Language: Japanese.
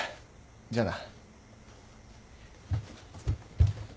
じゃあな。